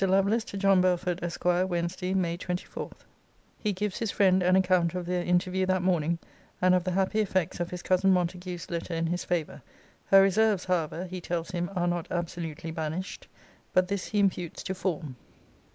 LOVELACE, TO JOHN BELFORD, ESQ. WEDNESDAY, MAY 24. [He gives his friend an account of their interview that morning; and of the happy effects of his cousin Montague's letter in his favour. Her reserves, however, he tells him, are not absolutely banished. But this he imputes to form.